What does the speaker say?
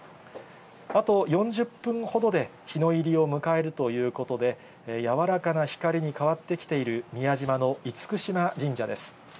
あと４０分ほどで日の入りを迎えるということで、柔らかな光に変わってきている宮島の厳島神社です。